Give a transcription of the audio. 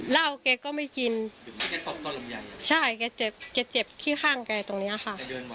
เหล้าเก๊ก็ไม่กินใช่เก๊เจ็บที่ข้างแกตรงเนี้ยค่ะ